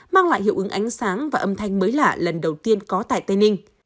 mang lại hiệu ứng ánh sáng và âm thanh mới lạ lần đầu tiên có tại tây ninh